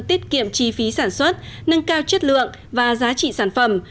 tiết kiệm chi phí sản xuất nâng cao chất lượng và giá trị sản phẩm